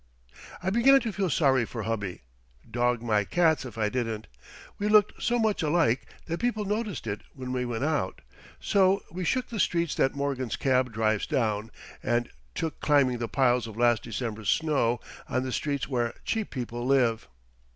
I began to feel sorry for Hubby, dog my cats if I didn't. We looked so much alike that people noticed it when we went out; so we shook the streets that Morgan's cab drives down, and took to climbing the piles of last December's snow on the streets where cheap people live.